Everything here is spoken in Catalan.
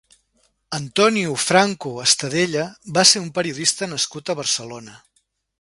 Antonio Franco Estadella va ser un periodista nascut a Barcelona.